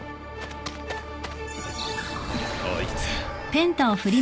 あいつ。